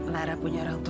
lihat lara punya orangnya